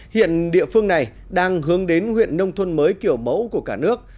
hiện địa phương này đang hướng đến huyện nông thôn mới kiểu mẫu của cả nước